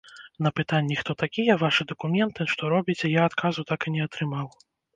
На пытанні, хто такія, вашы дакументы, што робіце, я адказу так і не атрымаў.